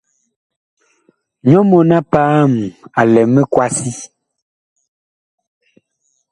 Nyɔ mɔɔn-a-paam a lɛ mikwasi.